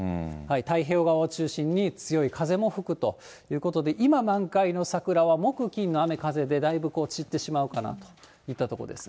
太平洋側を中心に、強い風も吹くということで、今満開の桜は、木、金の雨風でだいぶ散ってしまうかなといったところです。